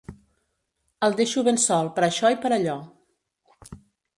El deixo ben sol per això i per allò.